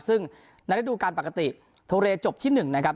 ซึ่งในระดูการปกติโทเรจบที่๑นะครับ